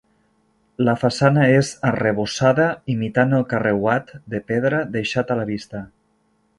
La façana és arrebossada imitant el carreuat de pedra deixat a la vista.